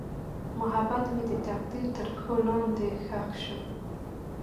محبت مې د تقدیر تر پښو لاندې ښخ شو.